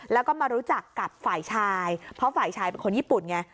แล้วก็มารู้จักกับฝ่ายชายเพราะฝ่ายชายเป็นคนญี่ปุ่นไง